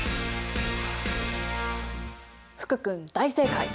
福君大正解！